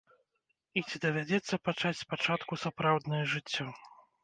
І ці давядзецца пачаць спачатку сапраўднае жыццё?